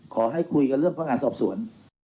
ขอให้คุยกับเรื่องพนักงานสอบสวน